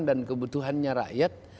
dan kebutuhannya rakyat